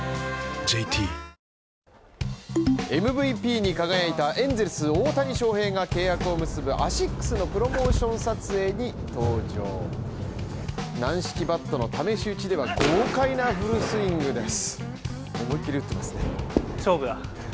ＪＴＭＶＰに輝いたエンゼルス大谷翔平が契約を結ぶアシックスのプロモーション撮影に登場軟式バットの試し打ちでは豪快なフルスイングです。